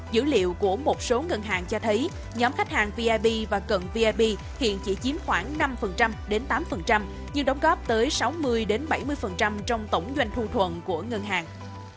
dữ liệu của một số ngân hàng cho thấy nhóm khách hàng vip và cận vip hiện chỉ chiếm khoảng năm đến tám nhưng đóng góp tới sáu mươi bảy mươi trong tổng doanh thu thuận của ngân hàng